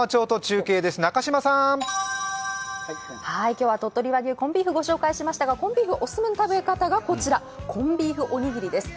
今日は鳥取和牛コンビーフをご紹介しましたがコンビーフ、お勧めの食べ方がこちらコンビーフおにぎりです。